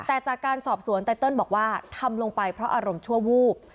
แต่จากการสอบสวนไตเติลบอกว่าทำลงไปเพราะอารมณ์ชั่ววูบ